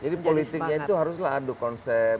jadi politiknya itu haruslah aduk konsep